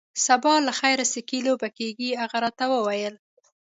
سبا له خیره سکی لوبې کیږي. هغه راته وویل.